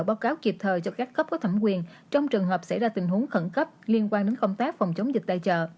báo cáo kịp thời cho các cấp có thẩm quyền trong trường hợp xảy ra tình huống khẩn cấp liên quan đến công tác phòng chống dịch tài trợ